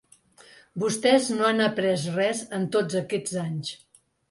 Vostès no han après res en tots aquests anys.